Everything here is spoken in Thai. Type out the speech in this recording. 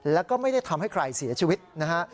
แล้วก็ไม่ได้ทำให้ใครเสียชีวิตนะฮะ